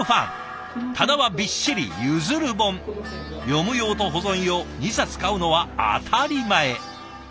読む用と保存用２冊買うのは当たり前。